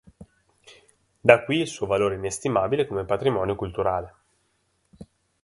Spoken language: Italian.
Da qui il suo valore inestimabile come patrimonio culturale.